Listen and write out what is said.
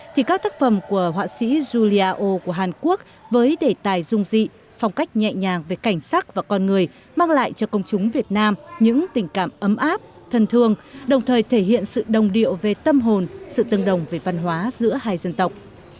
thì các tác phẩm của họa sĩ julia o của hàn quốc với đề tài dung dị phong cách nhẹ nhàng về cảnh sắc và con người mang lại cho công chúng việt nam những tình cảm ấm áp thân thương đồng thời thể hiện sự đồng điệu về tâm hồn sự tương đồng về văn hóa giữa hai dân tộc